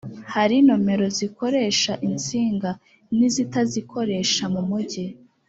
Hari nomero zikoresha insinga n’ izitazikoresha mu mugi